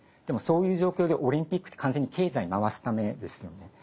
でもそういう状況でオリンピックって完全に経済回すためですよね。